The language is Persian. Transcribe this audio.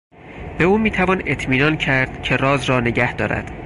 به او میتوان اطمینان کرد که راز را نگه دارد.